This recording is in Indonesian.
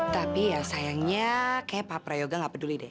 tapi kamu sudah seperti saudara